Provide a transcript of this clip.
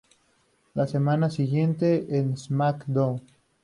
La semana siguiente, en "SmackDown!